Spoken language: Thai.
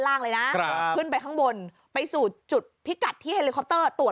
ล่างเลยนะครับขึ้นไปข้างบนไปสู่จุดพิกัดที่เฮลิคอปเตอร์ตรวจ